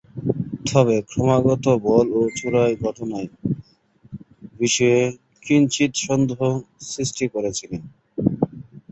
তবে ক্রমাগত বল ছোঁড়ার ঘটনার বিষয়ে কিঞ্চিৎ সন্দেহ সৃষ্টি করেছিলেন।